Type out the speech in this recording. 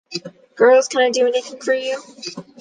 Girls, can I do anything for you?